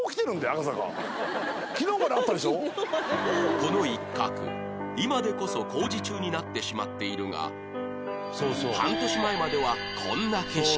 この一角今でこそ工事中になってしまっているが半年前まではこんな景色だった